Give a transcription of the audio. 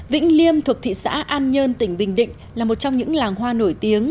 vĩnh liêm thuộc thị xã an nhơn tỉnh bình định là một trong những làng hoa nổi tiếng